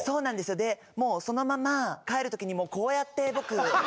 でもうそのまま帰る時にこうやって僕。